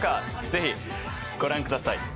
ぜひご覧ください。